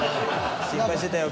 心配してたよ